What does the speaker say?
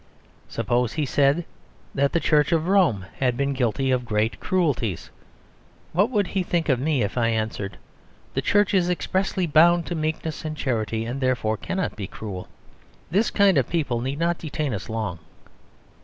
Suppose he said that the Church of Rome had been guilty of great cruelties. What would he think of me if I answered, "The Church is expressly bound to meekness and charity; and therefore cannot be cruel"? This kind of people need not detain us long.